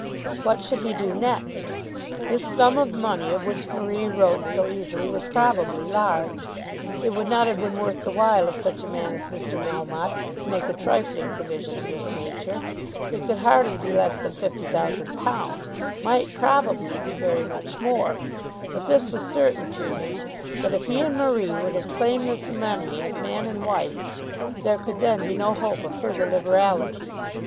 What should he do next? This sum of money of which Marie wrote so easily was probably large. It would not have been worth the while of such a man as Mr. Melmotte to make a trifling provision of this nature. It could hardly be less than £50,000, might probably be very much more. But this was certain to him, that if he and Marie were to claim this money as man and wife, there could then be no hope of further liberality.